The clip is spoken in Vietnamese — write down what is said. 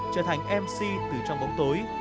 trở thành mc từ trong bóng tối